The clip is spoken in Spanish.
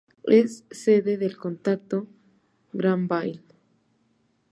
Es sede del condado de Granville.